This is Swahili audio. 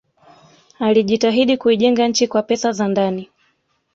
alijitahidi kuijenga nchi kwa pesa za ndani